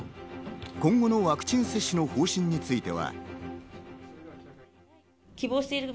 今後のワクチン接種の方針については。